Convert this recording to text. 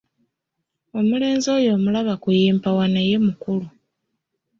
Omulenzi oyo omulaba kuyimpawa naye mukulu.